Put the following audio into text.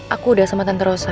aku udah sama tante rosa